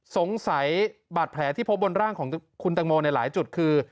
สงสัยบาดแผลที่พบบนร่างของคุณตังโมในหลายจุดคือ